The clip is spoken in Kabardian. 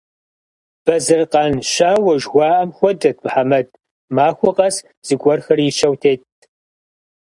Бэзэр къан щауэ жыхуаӀэм хуэдэт Мухьэмэд: махуэ къэс зыгуэрхэр ищэу тетт.